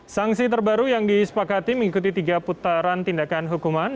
sanksi terbaru yang disepakati mengikuti tiga putaran tindakan hukuman